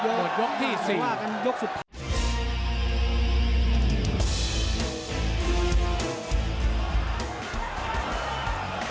หมดยกที่สี่ไม่ว่ากันยกสุดท้าย